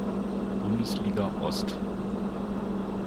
Bundesliga Ost.